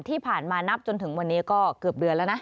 ที่ผ่านมานับจนถึงวันนี้ก็เกือบเดือนแล้วนะ